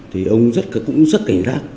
thì ông cũng rất cảnh giác